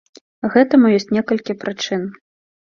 Гэтаму ёсць некалькі прычын.